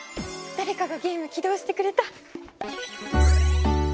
だれかがゲーム起動してくれた！